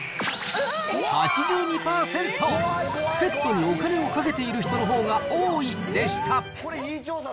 ペットにお金をかけている人のほうが多いでした。